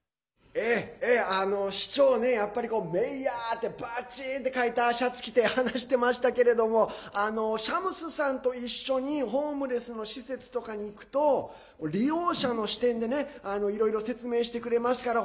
市長ね、やっぱり「ＭＡＹＯＲ」ってばちんって書いたシャツ着て話してましたけれどもシャムスさんと一緒にホームレスの施設とかに行くと利用者の視点でねいろいろ説明してくれますから。